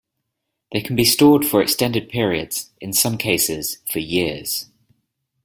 They can be stored for extended periods, in some cases for years.